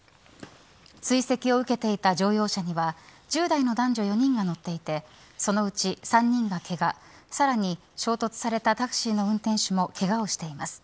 追跡を受けていた乗用車は１０代の男女４人が乗っていてそのうち３人が、けがさらに、衝突されたタクシーの運転手もけがをしています。